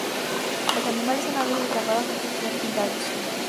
Los animales son a veces grabados antes de ser pintados.